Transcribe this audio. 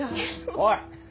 おい！